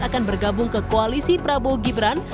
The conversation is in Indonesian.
akan bergabung ke koalisi prabowo gibran